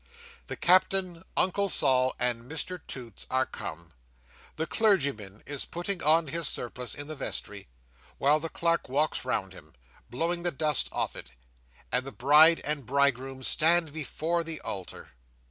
The Captain, Uncle Sol, and Mr Toots are come; the clergyman is putting on his surplice in the vestry, while the clerk walks round him, blowing the dust off it; and the bride and bridegroom stand before the altar.